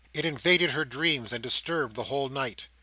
It invaded her dreams and disturbed the whole night.